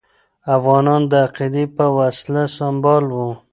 افغانان د عقیدې په وسله سمبال وو.